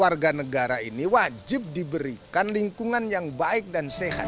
warga negara ini wajib diberikan lingkungan yang baik dan sehat